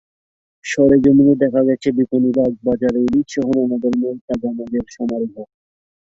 সরেজমিনে দেখা গেছে, বিপণিবাগ বাজারে ইলিশসহ নানা ধরনের তাজা মাছের সমারোহ।